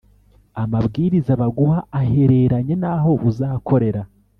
amabwiriza baguha ahereranye n’aho uzakorera